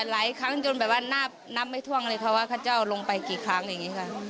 หลายครั้งจนแบบว่านับไม่ท่วงเลยค่ะว่าข้าเจ้าลงไปกี่ครั้งอย่างนี้ค่ะ